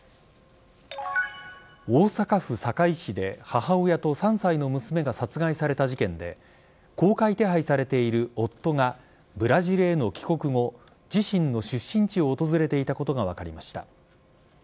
大阪府堺市で母親と３歳の娘が殺害された事件で公開手配されている夫がブラジルへの帰国後自身の出身地を訪れていたことが分かりました。